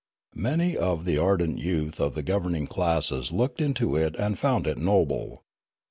Many of the ardent youth of the governing classes looked into it and found it noble.